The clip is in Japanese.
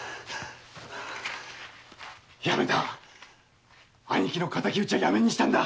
やめた兄貴の敵討ちはやめにしたんだ